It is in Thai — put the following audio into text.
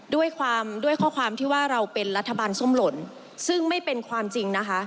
ด้วยความด้วยข้อความที่ว่าเราเป็นรัฐบาลส้มหล่นซึ่งไม่เป็นความจริงนะคะ